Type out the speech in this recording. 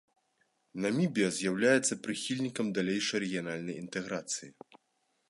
Намібія з'яўляецца прыхільнікам далейшай рэгіянальнай інтэграцыі.